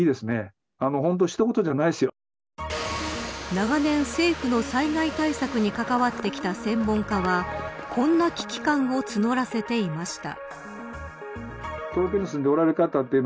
長年政府の災害対策に関わってきた専門家はこんな危機感を募らせていました。